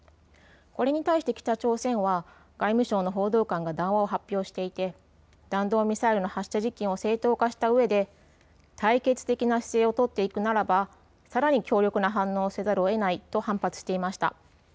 これに対して北朝鮮は外務省の報道官が談話を発表していて弾道ミサイルの発射実験を正当化したうえで対決的な姿勢を取っていくならばさらに強力な反応をせざるをえないと反発していました。